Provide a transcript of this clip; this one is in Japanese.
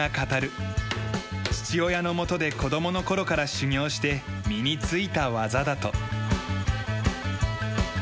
父親のもとで子供の頃から修業して身についた技だと。